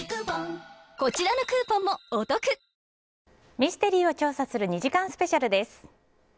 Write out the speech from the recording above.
ミステリーを調査する２時間スペシャルです。